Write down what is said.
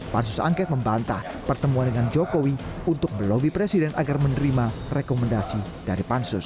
pansus angket membantah pertemuan dengan jokowi untuk melobi presiden agar menerima rekomendasi dari pansus